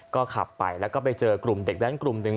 ก็ขับไปแล้วก็ไปเจอกลุ่มเด็กแว้นกลุ่มหนึ่ง